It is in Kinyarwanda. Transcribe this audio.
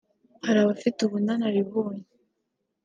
Hari abafite ubunararibonye